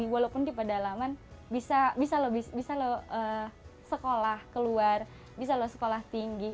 walaupun di pedalaman bisa loh sekolah keluar bisa loh sekolah tinggi